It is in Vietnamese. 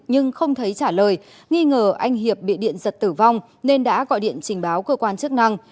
nhưng không thấy trả lời nghi ngờ anh hiệp bị điện giật tử vong nên đã gọi điện trình báo cơ quan chức năng